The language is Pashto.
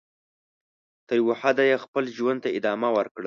تر یوه حده یې خپل ژوند ته ادامه ورکړه.